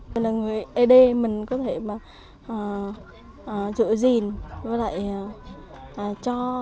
mình là người ấy đê mình có thể mà giữ gìn với lại cho chuyện